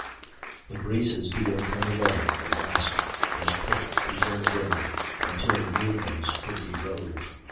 The braces being cut away, the Wasp was put before the wind until new ones could be rove.